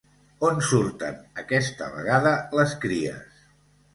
On surten aquesta vegada les cries?